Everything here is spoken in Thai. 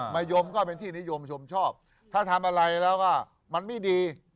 ยมก็เป็นที่นิยมชมชอบถ้าทำอะไรแล้วก็มันไม่ดี